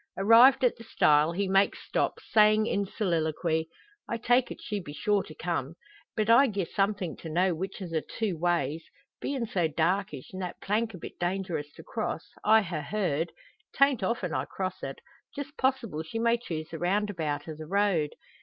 Arrived at the stile, he makes stop, saying in soliloquy: "I take it she be sure to come; but I'd gi'e something to know which o' the two ways. Bein' so darkish, an' that plank a bit dangerous to cross, I ha' heard 'tan't often I cross it just possible she may choose the roundabout o' the road.